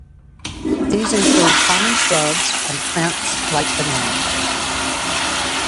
These include common shrubs and plants like banana.